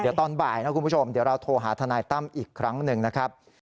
เดี๋ยวตอนบ่ายนะคุณผู้ชมเดี๋ยวเราโทรหาทนายตั้มอีกครั้งหนึ่งนะครับ